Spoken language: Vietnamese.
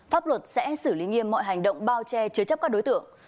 pháp luật sẽ xử lý nghiêm mọi hành động bao che chứa chấp các đối tượng